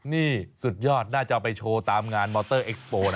นี่สุดยอดน่าจะเอาไปโชว์ตามงานมอเตอร์เอ็กซ์โปร์นะ